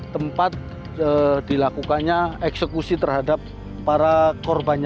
tempat dilakukannya eksekusi terhadap para korbannya